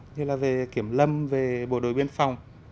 như là về kiểm lâm về bộ đội biên phòng